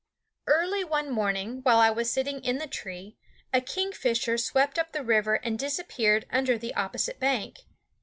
Early one morning, while I was sitting in the tree, a kingfisher swept up the river and disappeared under the opposite bank.